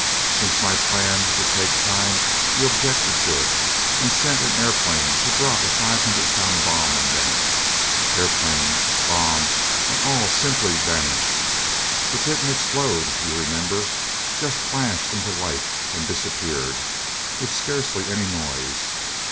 Since my plan would take time, you objected to it, and sent an airplane to drop a five hundred pound bomb on them. Airplane, bomb, and all simply vanished. It didn't explode, you remember, just flashed into light and disappeared, with scarcely any noise.